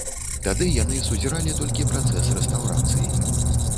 Тады яны сузіралі толькі працэс рэстаўрацыі.